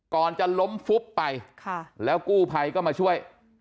ก่อนจะล้มฟุบไปแล้วกู้ภัยก็มาช่วย